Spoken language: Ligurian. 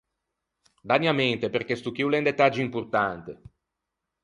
Danni a mente perché sto chì o l’é un detaggio importante.